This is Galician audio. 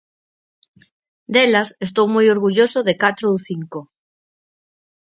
Delas, estou moi orgulloso de catro ou cinco.